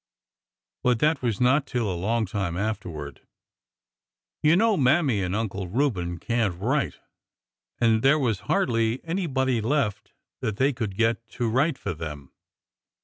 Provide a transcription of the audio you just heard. But that was not till a long time afterward. You know, Mammy and Uncle Reuben can't write, and there was hardly anybody left that they could get to write for them."